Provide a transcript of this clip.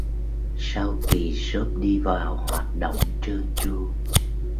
Sau kỳ shop đi vào hoạt động trơn tru